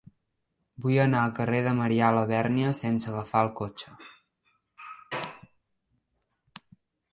Vull anar al carrer de Marià Labèrnia sense agafar el cotxe.